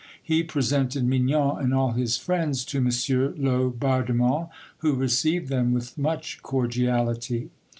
He presented Mignon and all his friends to M. Laubardemont, who received them with much cordiality.